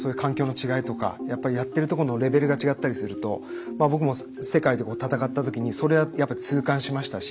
違いとかやっぱりやってるとこのレベルが違ったりすると僕も世界で戦った時にそれはやっぱ痛感しましたし。